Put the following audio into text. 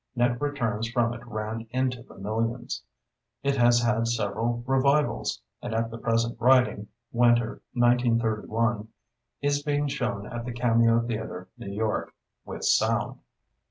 Net returns from it ran into the millions. It has had several revivals, and at the present writing (Winter, 1931), is being shown at the Cameo Theatre, New York, "with sound."